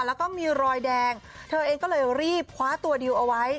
แล้วก็มีรอยแดงเธอเองก็เลยรีบคว้าตัวดิวเอาไว้